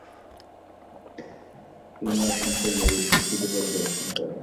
তিনি অত্যন্ত গভীর দৃষ্টিতে পর্যবেক্ষণ করেন।